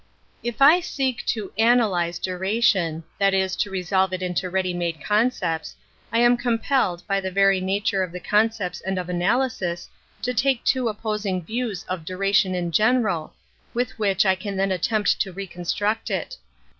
If I seek to analyse duration — that is resolve it into ready made concepts — I ara 1 compelled, by the very nature of the con cepts and of analysis, to take two opposing views of duration tn general, with which I then attempt to reconstruct it.